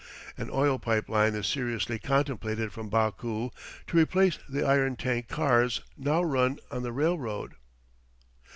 An oil pipe line is seriously contemplated from Baku to replace the iron tank cars now run on the railroad.